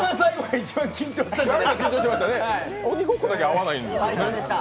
鬼ごっこだけ合わないんですよね。